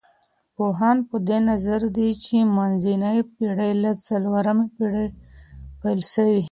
پوهان په دې نظر دي چي منځنۍ پېړۍ له څلورمې پېړۍ پيل سوې.